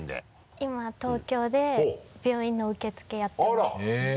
今東京で病院の受付やってます。